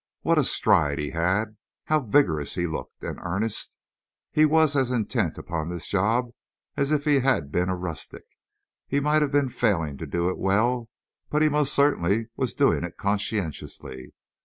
What a stride he had! How vigorous he looked, and earnest! He was as intent upon this job as if he had been a rustic. He might have been failing to do it well, but he most certainly was doing it conscientiously.